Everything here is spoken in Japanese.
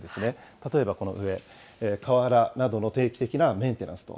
例えばこの上、瓦などの定期的なメンテナンスと。